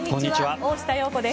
大下容子です。